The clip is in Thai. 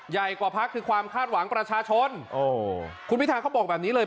ใหญ่กว่าพักคือความคาดหวังประชาชนโอ้คุณพิทาเขาบอกแบบนี้เลย